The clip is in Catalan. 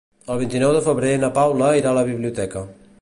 El vint-i-nou de febrer na Paula irà a la biblioteca.